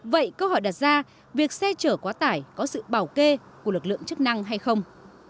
vậy câu hỏi đặt ra việc xe chở quá tải có sự bảo kê của lực lượng chức năng hay không